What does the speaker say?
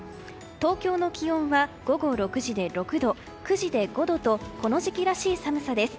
東京の気温は午後６時で４度９時で５度とこの時期らしい寒さです。